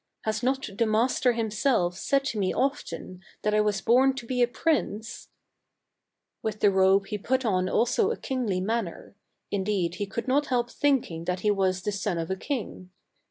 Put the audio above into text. " Has not the master himself said to me often that I was born to be a prince ?" With the robe he put on also a kingly manner; indeed he could not help thinking that he was the son of a king.